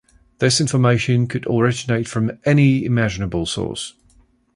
This information could originate from any imaginable source.